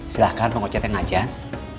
silahkan mengucat yang ajan